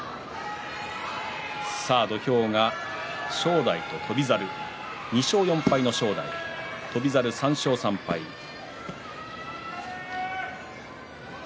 土俵が正代と翔猿、２勝４敗の正代翔猿は３勝３敗です。